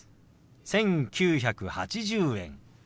「１９８０円」。